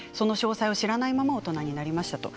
詳細は知らないまま大人になりました。